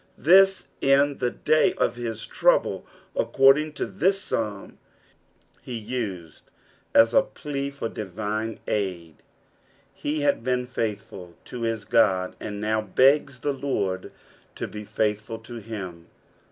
This in thedsy of his tmuble, according to this Psalm, he uoed as a plea for divine aid. He had been faith ful to his God, and now begs the Lord to be faithful to him.